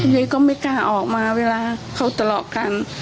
เยยก็ไม่กล้าออกมาเวลาเขาตลอกกัน